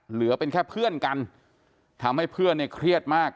เหลือเป็นแค่เพื่อนกันทำให้เพื่อนเนี่ยเครียดมาก